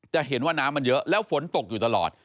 จะเห็นว่าน้ำมันเยอะแล้วฝนตกอยู่ตลอด